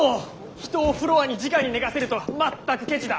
人をフロアにじかに寝かせるとはまったくケチだ。